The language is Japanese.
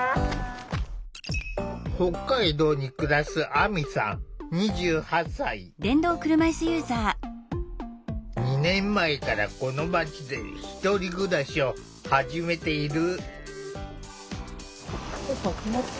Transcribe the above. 北海道に暮らす２年前からこの街で１人暮らしを始めている。